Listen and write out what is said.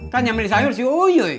kan yang beli sayur si uyuy